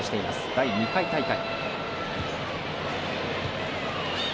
第２回大会。